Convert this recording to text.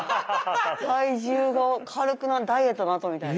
体重がダイエットのあとみたいな。